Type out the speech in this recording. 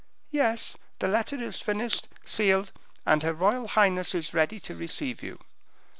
"Yes, the letter is finished, sealed, and her royal highness is ready to receive you."